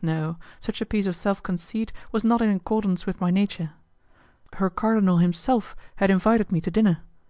No, such a piece of self conceit was not in accordance with my nature. Her cardinal himself had invited me to dinner.